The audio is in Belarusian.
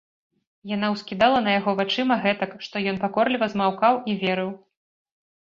Яна ўскідала на яго вачыма гэтак, што ён пакорліва змаўкаў і верыў.